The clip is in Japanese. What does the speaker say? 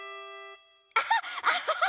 アハッアハハハ！